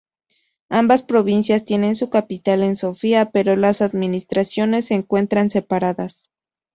Ambas provincias tienen su capital en Sofía, pero las administraciones se encuentran separadas.